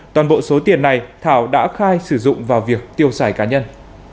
toàn bộ số tiền này thảo đã khai sử dụng vào việc tiêu xài cá nhân